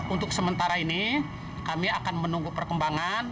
untuk sementara ini kami akan menunggu perkembangan